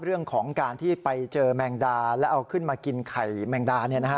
เรื่องของการที่ไปเจอแมงดาแล้วเอาขึ้นมากินไข่แมงดา